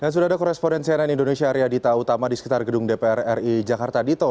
sudah ada korespondensi ann indonesia arya dita utama di sekitar gedung dpr ri jakarta dito